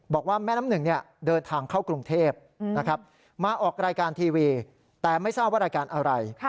บอกว่าแม่น้ำหนึ่งเดินทางเข้ากรุงเทพมาออกรายการทีวีแต่ไม่ทราบว่ารายการอะไร